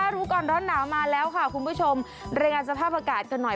รู้ก่อนร้อนหนาวมาแล้วค่ะคุณผู้ชมรายงานสภาพอากาศกันหน่อย